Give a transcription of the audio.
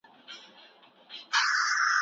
پر مسودي باندي بحث څنګه کیږي؟